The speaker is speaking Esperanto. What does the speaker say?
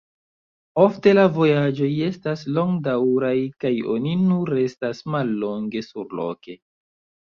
Ofte la vojaĝoj estas longdaŭraj kaj oni nur restas mallonge surloke.